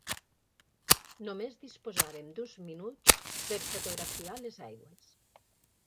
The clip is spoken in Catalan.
Només disposarem d'uns minuts per fotografiar les aigües.